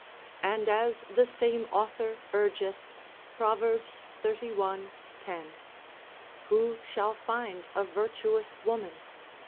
and as the same author urgeth, Prov. xxxi. 10. Who shall find a virtuous woman?